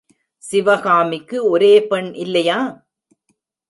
சிவகாமிக்கு ஒரே பெண் இல்லையா?